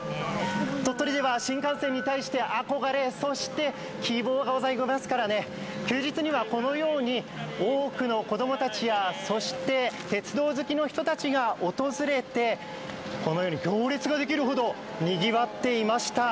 鳥取では新幹線に対して憧れ、そして希望がございますから休日にはこのように多くの子供たちや、そして鉄道好きの人たちが訪れて、このように行列ができるほどにぎわっていました。